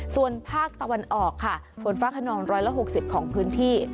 ส่วนภาคตะวันออกค่ะฝนฟ้าขนอง๑๖๐ของพื้นที่